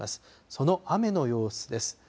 その雨の様子です。